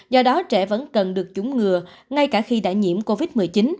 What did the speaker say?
do đó trẻ vẫn cần được chúng ngừa ngay cả khi đã nhiễm covid một mươi chín